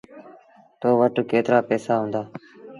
تو وٽ ڪيترآ پئيٚسآ هُݩدآ۔